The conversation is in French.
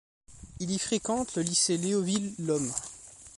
Il y fréquente le lycée Léoville l’homme.